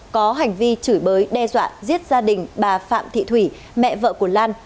có hành vi chửi bới đe dọa giết gia đình bà phạm thị thủy mẹ vợ của lan